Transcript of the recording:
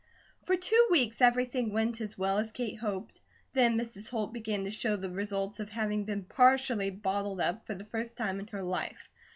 For two weeks everything went as well as Kate hoped: then Mrs. Holt began to show the results of having been partially bottled up, for the first time in her life.